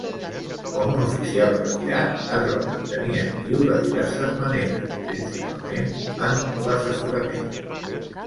Com un oficial retirat, es va mantenir actiu de diverses maneres, principalment en l'assessorament.